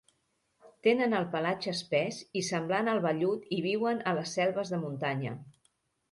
Tenen el pelatge espès i semblant al vellut i viuen a les selves de muntanya.